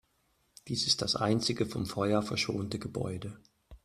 Dies ist das einzige vom Feuer verschonte Gebäude.